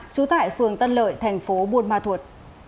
trú tại phường tân lợi thành phố buôn ma thuột